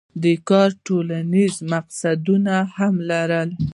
دا کار ټولنیز مقصدونه هم لرل.